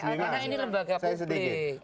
karena ini lembaga publik